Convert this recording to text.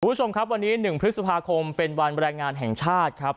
คุณผู้ชมครับวันนี้๑พฤษภาคมเป็นวันแรงงานแห่งชาติครับ